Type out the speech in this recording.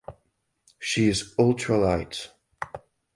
She is ultra light.